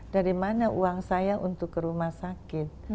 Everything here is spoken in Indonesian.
dari mana uang saya untuk ke rumah sakit